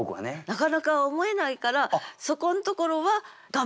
なかなか思えないからそこんところは頑張ってる。